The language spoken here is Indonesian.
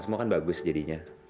semakin bagus jadinya